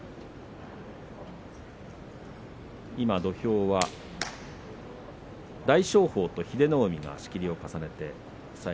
土俵は大翔鵬と英乃海が仕切りを重ねています。